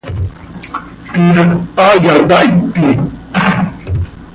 ¿Tiix haaya tahiti?